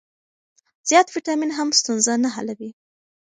زیات ویټامین هم ستونزه نه حلوي.